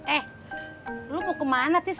eh lo mau kemana tis